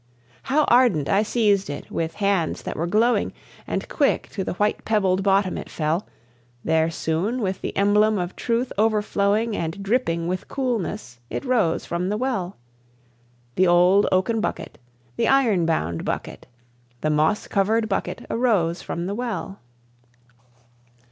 How ardent I seized it, with hands that were glowing, And quick to the white pebbled bottom it fell; Then soon, with the emblem of truth overflowing, And dripping with coolness, it rose from the well The old oaken bucket, the iron bound bucket, The moss covered bucket arose from the well.